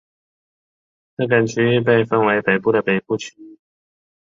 这个区域被分为北边的北部地区。